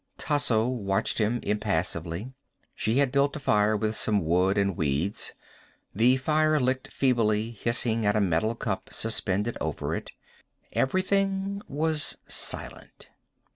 Tasso watched him impassively. She had built a fire with some wood and weeds. The fire licked feebly, hissing at a metal cup suspended over it. Everything was silent.